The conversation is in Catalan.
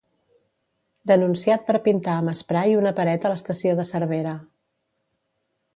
Denunciat per pintar amb esprai una paret a l'estació de Cervera.